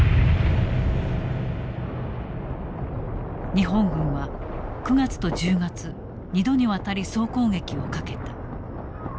日本軍は９月と１０月２度にわたり総攻撃をかけた。